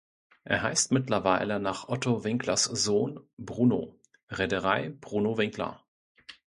Er heißt mittlerweile nach Otto Winklers Sohn Bruno „Reederei Bruno Winkler“.